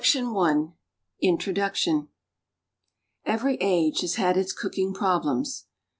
1 \" J INTRODUCTION Every age has had its eooking problems.